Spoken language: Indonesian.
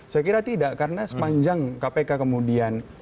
saya kira tidak karena sepanjang kpk kemudian